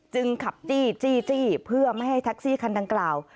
ขับจี้จี้เพื่อไม่ให้แท็กซี่คันดังกล่าว